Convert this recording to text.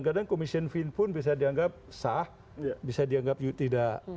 kadang commission fin pun bisa dianggap sah bisa dianggap tidak